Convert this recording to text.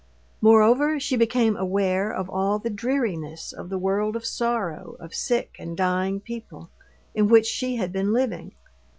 Moreover, she became aware of all the dreariness of the world of sorrow, of sick and dying people, in which she had been living.